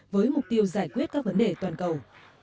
với mục tiêu giải quyết các vấn đề toàn cầu